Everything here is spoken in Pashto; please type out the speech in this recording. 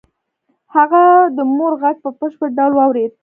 هغه د مور غږ په بشپړ ډول واورېد